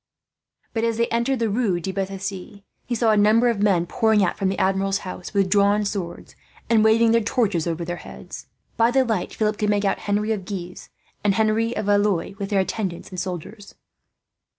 But as they entered the Rue de Bethisy, he saw a number of men pouring out from the Admiral's house, with drawn swords and waving their torches over their heads. By the light, Philip could make out Henri of Guise and Henry of Valois, with their attendants and soldiers.